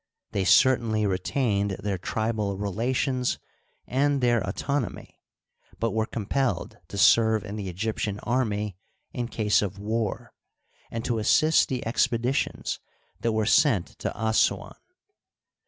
They certainly retained their tribal relations and their autonomy, but were compelled to serve in the Egyp tian army in case of war, and to assist the expeditions that were sent to Assuan.